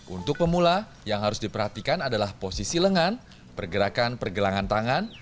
untuk pemula yang harus diperhatikan adalah posisi lengan pergerakan pergelangan tangan